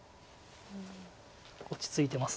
落ち着いてます